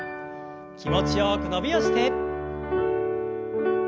気持ちよく伸びをして。